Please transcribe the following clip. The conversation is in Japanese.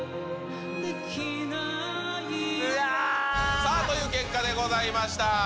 さあ、という結果でございました。